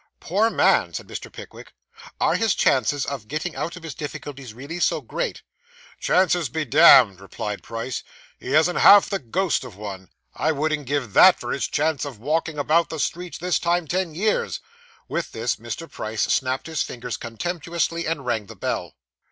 'Poor man!' said Mr. Pickwick. 'Are his chances of getting out of his difficulties really so great?' 'Chances be d d,' replied Price; 'he hasn't half the ghost of one. I wouldn't give _that _for his chance of walking about the streets this time ten years.' With this, Mr. Price snapped his fingers contemptuously, and rang the bell.